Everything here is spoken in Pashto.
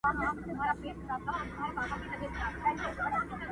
o کورنۍ له خلکو پټه ده او چوپ ژوند کوي سخت.